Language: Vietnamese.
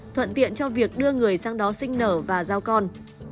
thuận tiện cho việc đưa người sang đó sinh nở và giao con